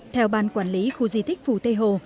theo ban quản lý khu di tích phủ tây hồ